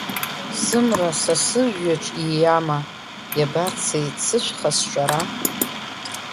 Сымра са сыжәҩаҿ ииама, иабацеи иццышәха сҿара?